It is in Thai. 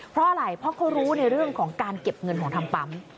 เพราะอะไรเพราะเขารู้ในเรื่องของการเก็บเงินของทางปั๊ม